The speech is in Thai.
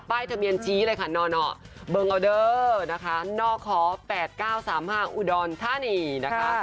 ป้ายเทมียนชี้เลยค่ะนอเบิงออเดอร์นะคะนอกขอแปดเก้าสามห้าอุดอนทานีนะคะ